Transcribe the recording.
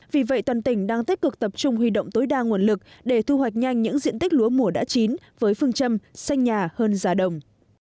vì vậy toàn tỉnh đang tích cực tập trung huy động tối đa nguồn lực để thu hoạch nhanh những diện tích lúa mùa đã chín với phương châm xanh nhà hơn giá đồng